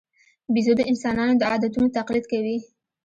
بیزو د انسانانو د عادتونو تقلید کوي.